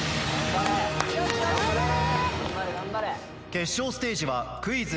決勝ステージはクイズ